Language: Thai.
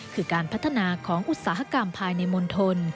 คือการพัฒนาของอุตสาหกรรมภายในมณฑล